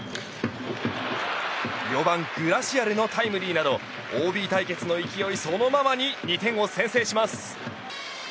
４番、グラシアルのタイムリーなどＯＢ対決の勢いそのままに２点を先制します。